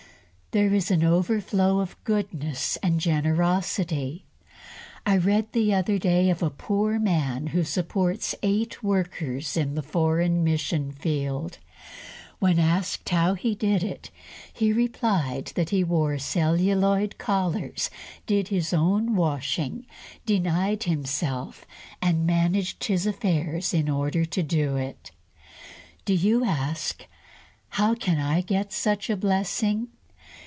There is an overflow of goodness and generosity. I read the other day of a poor man who supports eight workers in the foreign mission field. When asked how he did it, he replied that he wore celluloid collars, did his own washing, denied himself, and managed his affairs in order to do it. Do you ask, "How can I get such a blessing?"